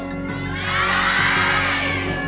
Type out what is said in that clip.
ได้